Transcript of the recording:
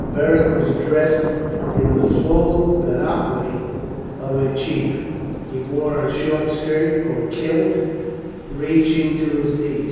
Beric was dressed in the full panoply of a chief. He wore a short skirt or kilt reaching to his knees.